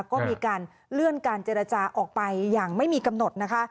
ก็มีการเลื่อนการเจรจาออกไปอย่างไม่มีกำหนดนะคะ